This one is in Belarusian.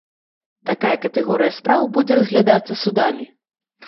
Такая катэгорыя спраў будзе разглядацца судамі.